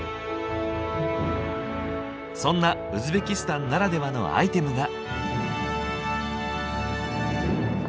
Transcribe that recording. そんなウズベキスタンならではのアイテムが。